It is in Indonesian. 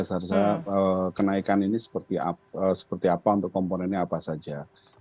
seharusnya kenaikan ini seperti apa untuk komponennya apa saja